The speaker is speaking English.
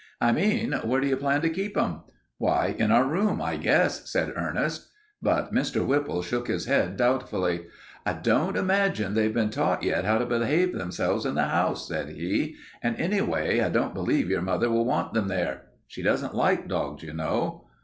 "I mean, where do you plan to keep them?" "Why, in our room, I guess," said Ernest. But Mr. Whipple shook his head doubtfully. "I don't imagine they've been taught yet how to behave themselves in the house," said he. "And anyway, I don't believe your mother will want them there. She doesn't like dogs, you know."